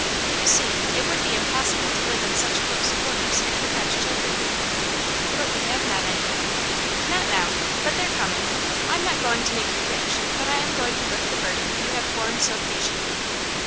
You see it would be impossible to live in such close quarters if you had children." But we have not any." Not now. But they're coming. I am not going 238 Aunt Jam^s Hero. to make you rich, but I am going to lift the burden you have borne so patiently.